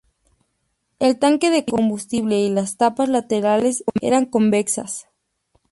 El tanque de combustible y las tapas laterales eran convexas.